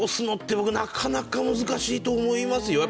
僕、なかなか難しいと思いますよ。